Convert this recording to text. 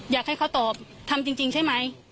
อยากให้เขาตอบทำจริงใช่ไหม